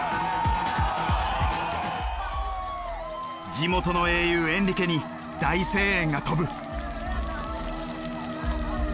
地元の英雄エンリケに大声援が飛ぶ。